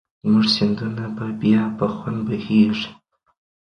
زموږ سیندونه به بیا په خوند بهېږي.